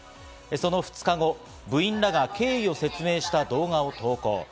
その２日後、部員らが経緯を説明した動画を投稿。